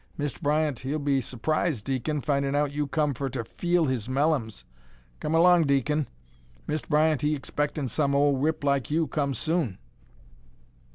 Mist' Bryant he'll be s'prised, deacon, findin' out you come fer ter feel his mellums. Come erlong, deacon. Mist' Bryant he expectin' some ole rip like you come soon."